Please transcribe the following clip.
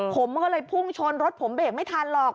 ผมก็เลยพุ่งชนรถผมเบรกไม่ทันหรอก